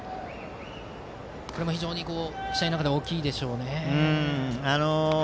これも非常に試合の中では大きいでしょうね。